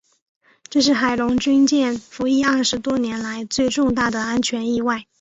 这是海龙军舰服役二十多年来最重大的安全意外。